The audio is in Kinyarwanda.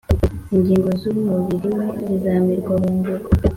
ingingo z’umubiri we zizamirwa bunguri,